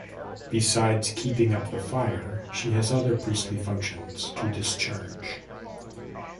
Besides keeping up the fire she has other priestly functions to discharge.